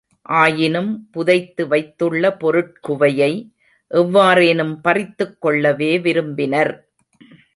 ஆயினும் புதைத்து வைத்துள்ள பொருட்குவையை எவ்வாறேனும் பறித்துக் கொள்ளவே விரும்பினர்.